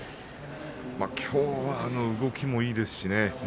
きょうは動きもいいですしね